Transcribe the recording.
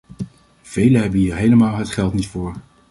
Velen hebben hier helemaal het geld niet voor.